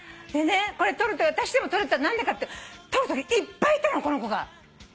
これ私でも撮れたの何でかって撮るときいっぱいいたのこの子が。